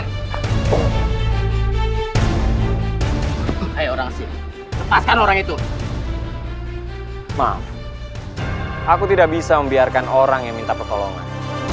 hai orang orang itu mau aku tidak bisa membiarkan orang yang minta pertolongan